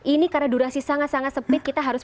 ini karena durasi sangat sangat sempit kita harus